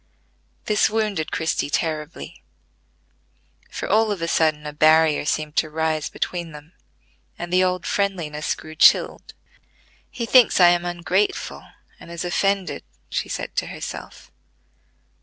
This wounded Christie terribly; for all of a sudden a barrier seemed to rise between them, and the old friendliness grew chilled. "He thinks I am ungrateful, and is offended," she said to herself.